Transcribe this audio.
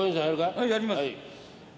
はいやります。